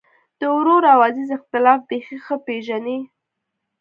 د ورور او عزیز اختلاف بېخي ښه پېژني.